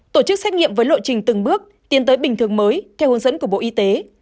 tổ chức xét nghiệm với lộ trình từng bước tiến tới bình thường mới theo hướng dẫn của bộ y tế